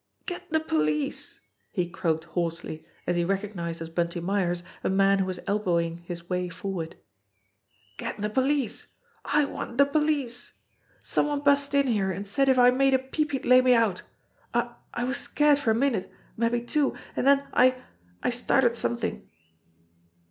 "Get the police !" he croaked hoarsely, as he recognised as Bunty Myers a man who was elbowing his way forward. "Get the police ! I want the police ! Some one bust in here and said if I made a peep he'd lay me out. I I was scared for a minute, mabbe two, and then I I started something."